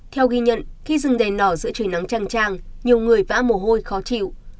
theo ghi nhận khi rừng đèn đỏ giữa trời nắng trang trang nhiều người vã mồ hôi khó chịu